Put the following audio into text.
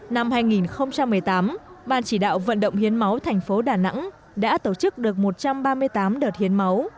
năm hai nghìn một mươi tám ban chỉ đạo vận động hiến máu thành phố đà nẵng đã tổ chức được một trăm ba mươi tám đợt hiến máu